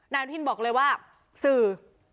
อนุทินบอกเลยว่าสื่อ